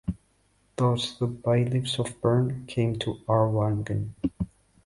Thus the Bailiffs of Bern came to Aarwangen.